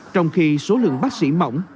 trong khi số lượng bác sĩ mỏng